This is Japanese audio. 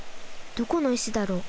どこの石だろう？